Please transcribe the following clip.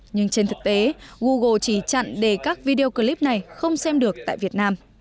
nhưng trên thực tế google chỉ chặn để các video clip này không xem được tại việt nam